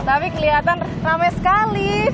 tapi kelihatan rame sekali